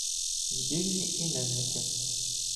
Збірні іменники